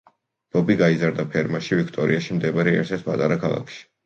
ბობი გაიზარდა ფერმაში, ვიქტორიაში მდებარე ერთ-ერთ პატარა ქალაქში.